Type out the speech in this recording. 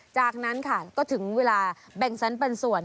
จากนั้นค่ะก็ถึงเวลาแบ่งสรรปันส่วน